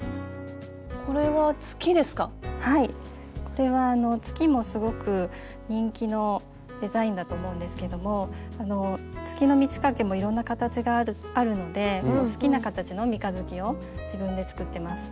これは月もすごく人気のデザインだと思うんですけども月の満ち欠けもいろんな形があるので好きな形の三日月を自分で作ってます。